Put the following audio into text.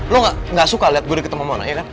lo gak suka liat gue diketemu mana iya kan